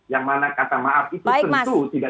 yang mana kata maaf itu tentu tidak